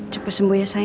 coba sembuh ya sayang ya